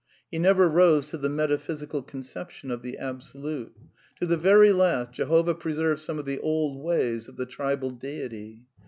He never rose to the metaphysicar * conception of the Absolute. To the very last, Jehovah preserved some of the old^waj ^of the tribal dej ty.